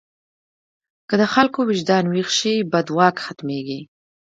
که د خلکو وجدان ویښ شي، بد واک ختمېږي.